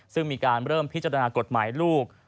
ซึ่งมีการเริ่มพิจารณากฎหมายลูก